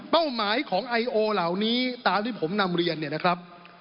หมายของไอโอเหล่านี้ตามที่ผมนำเรียนเนี่ยนะครับ